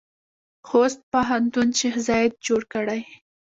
خوست پوهنتون شیخ زاید جوړ کړی؟